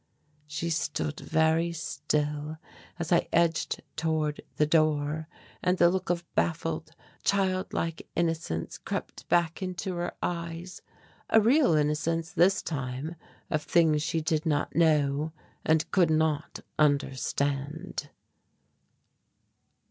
She stood very still as I edged toward the door, and the look of baffled child like innocence crept back into her eyes, a real innocence this time of things she did not know, and could not understand.